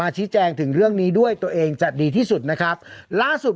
อืมอืมอืมอืมอืม